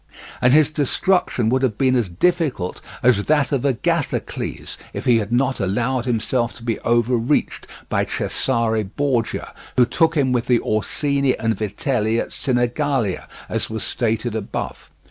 And his destruction would have been as difficult as that of Agathocles if he had not allowed himself to be overreached by Cesare Borgia, who took him with the Orsini and Vitelli at Sinigalia, as was stated above.